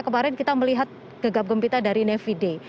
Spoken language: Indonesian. kemarin kita melihat gegap gempita dari nevide